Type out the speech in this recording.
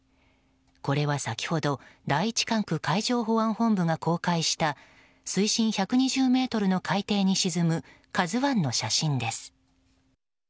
これは先ほど第１管区海上保安本部が公開した水深１２０ｍの海底に沈む「ＫＡＺＵ１」の写真です。